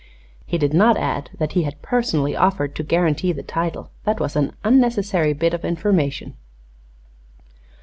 He did not add that he had personally offered to guarantee the title. That was an unnecessary bit of information.